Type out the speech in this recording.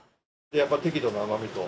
やっぱり適度な甘みと。